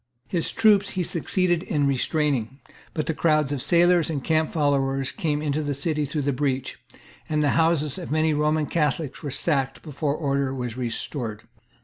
His troops he succeeded in restraining; but crowds of sailors and camp followers came into the city through the breach; and the houses of many Roman Catholics were sacked before order was restored.